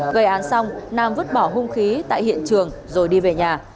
gây án xong nam vứt bỏ hung khí tại hiện trường rồi đi về nhà